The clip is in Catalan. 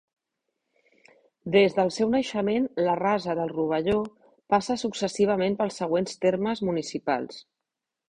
Des del seu naixement, la Rasa del Rovelló passa successivament pels següents termes municipals.